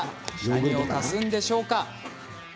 何を足すんでしょうか？